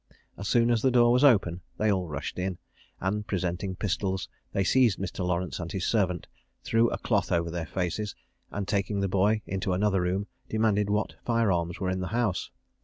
As soon as the door was open, they all rushed in, and presenting pistols, they seized Mr. Lawrence and his servant, threw a cloth over their faces, and, taking the boy into another room, demanded what fire arms were in the house?